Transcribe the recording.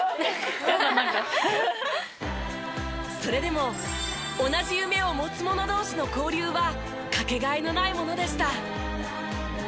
それでも同じ夢を持つ者同士の交流はかけがえのないものでした。